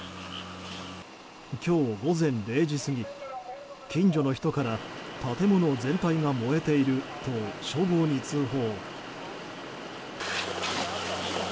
今日午前０時過ぎ、近所の人から建物全体が燃えていると消防に通報。